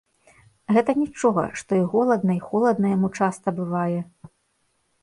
Гэта нічога, што і голадна і холадна яму часта бывае!